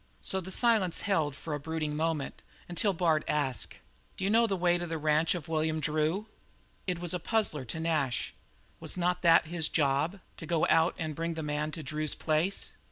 So the silence held for a brooding moment, until Bard asked: "D'you know the way to the ranch of William Drew?" It was a puzzler to Nash. Was not that his job, to go out and bring the man to Drew's place?